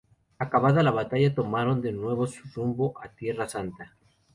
Acabada la batalla, tomaron de nuevo su rumbo a Tierra Santa.